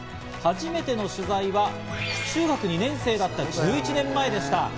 初めての取材は中学２年生だった１１年前でした。